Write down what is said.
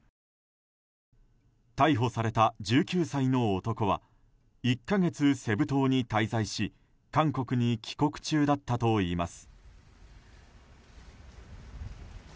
逮捕された１９歳の男は１か月セブ島に滞在し韓国に帰国中だったといいます。